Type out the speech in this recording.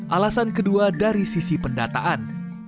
alasan kedua dari sisi pendataan